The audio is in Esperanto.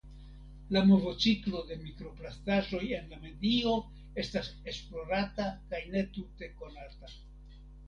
La movociklo de mikroplastaĵoj en la medio estas esplorata kaj ne tute konata.